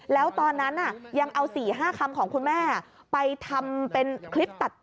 แล้วตอนนั้นอ่ะยังเอาสี่ห้าคำของคุณแม่ไปทำเป็นคลิปตัดต่อ